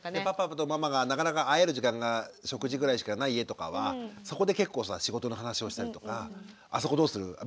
パパとママがなかなか会える時間が食事ぐらいしかない家とかはそこで結構仕事の話をしたりとか「あそこどうする？